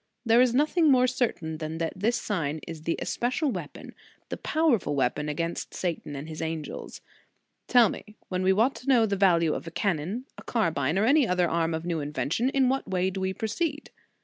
There is nothing more certain than that this sign is the especial weapon, the powerful weapon against Satan and his an gels. Tell me when we want to know the value of a cannon, a carbine, or any other arm of new invention, in what way do we proceed ?